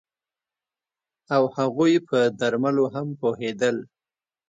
او هغوی په درملو هم پوهیدل